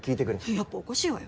やっぱおかしいわよ。